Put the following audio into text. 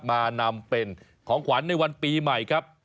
นำเป็นของขวัญในวันปีใหม่ครับ